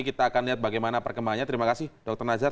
kita akan lihat bagaimana perkembangannya terima kasih dr nazar